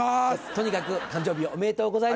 とにかく誕生日おめでとうございます。